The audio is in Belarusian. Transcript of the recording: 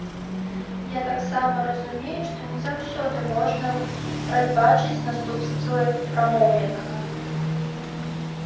Я таксама разумею, што не заўсёды можна прадбачыць наступствы прамоўленага.